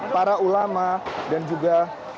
para ulama dan juga